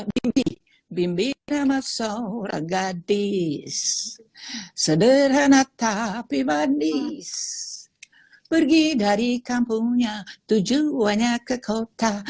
bimbi bimbi sama saudara gadis sederhana tapi manis pergi dari kampungnya tujuannya ke kota